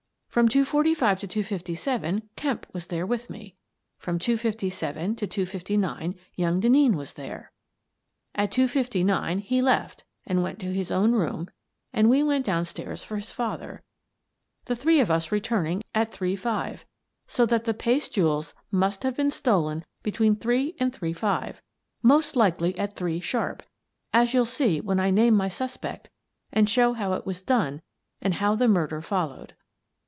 From two forty five to two fifty seven Kemp was there with me. From two fifty seven to two fifty nine young Denneen was there. At two fifty nine he left and went to his own room and we went down stairs for his father, the three of us returning at three five, so that the paste jewels must have been stolen between three and three five — most likely at three sharp, as you'll see when I name my suspect and show how it was done and how the murder followed.